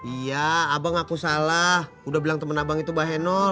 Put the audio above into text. iya abang aku salah udah bilang temen abang itu bahenul